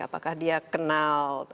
apakah dia kenal